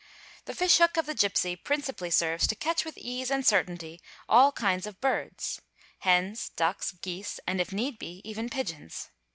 — The fish hook of the gipsy principally serves to catch with ease and certainty all kinds of birds: hens, ducks, geese, and, if need be, even © pigeons.